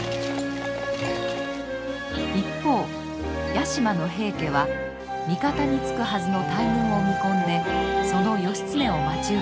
一方屋島の平家は味方につくはずの大軍を見込んでその義経を待ち受けます。